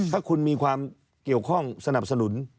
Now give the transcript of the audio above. ถ้าคุณมีความเกี่ยวข้องสนับสนุน